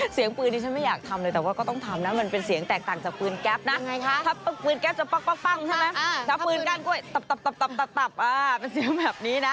เสียงปืนดิฉันไม่อยากทำเลยแต่ว่าก็ต้องทำนะมันเป็นเสียงแตกต่างจากปืนแก๊ปนะถ้าปืนแก๊ปจะปั๊งใช่ไหมถ้าปืนกั้นกล้วยตับเป็นเสียงแบบนี้นะ